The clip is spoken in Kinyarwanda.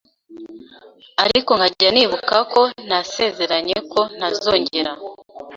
ariko nkajya nibuka ko nasezeranye ko ntazongeara